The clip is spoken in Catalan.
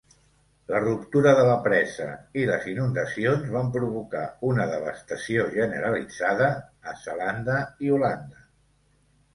La ruptura de la presa i les inundacions van provocar una devastació generalitzada a Zelanda i Holanda.